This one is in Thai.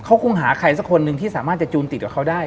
เขาคงหาใครสักคนหนึ่งที่สามารถจะจูนติดกับเขาได้